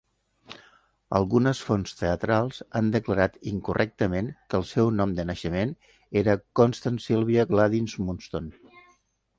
Algunes fonts teatrals han declarat incorrectament que el seu nom de naixament era Constance Sylvia Gladys Munston.